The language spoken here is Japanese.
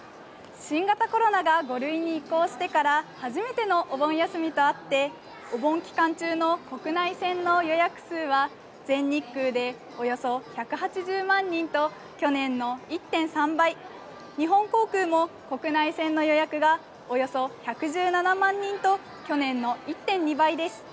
新型コロナが５類に移行してから、初めてのお盆休みとあって、お盆期間中の国内線の予約数は全日空でおよそ１８０万人と、去年の１．３倍、日本航空も国内線の予約がおよそ１１７万人と、去年の１．２倍です。